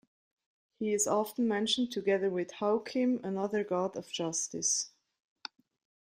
He is often mentioned together with Haukim, another god of justice.